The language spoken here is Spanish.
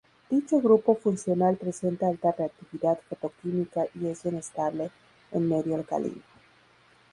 Dicho grupo funcional presenta alta reactividad fotoquímica y es inestable en medio alcalino.